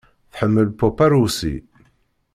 Tḥemmel pop arusi.